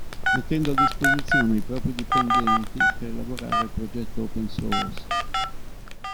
Mettendo a disposizione i propri dipendenti per lavorare al progetto Open Source.